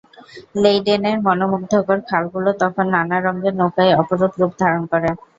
লেইডেনের মনোমুগ্ধকর খালগুলো তখন নানা রঙের নৌকায় অপরূপ রূপ ধারণ করে।